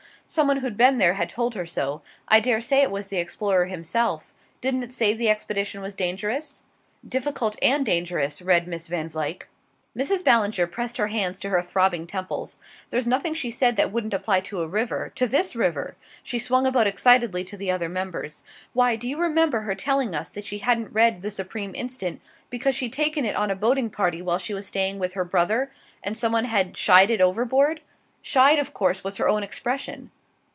"Some one who'd been there had told her so. I daresay it was the explorer himself doesn't it say the expedition was dangerous?" "'Difficult and dangerous,'" read Miss Van Vluyck. Mrs. Ballinger pressed her hands to her throbbing temples. "There's nothing she said that wouldn't apply to a river to this river!" She swung about excitedly to the other members. "Why, do you remember her telling us that she hadn't read 'The Supreme Instant' because she'd taken it on a boating party while she was staying with her brother, and some one had 'shied' it overboard 'shied' of course was her own expression."